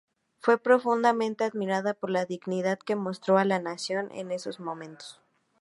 Fue profundamente admirada por la dignidad que mostró a la nación en esos momentos.